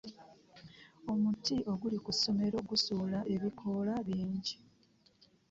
Omuti oguli ku ssomero gusuula ebikoola bingi.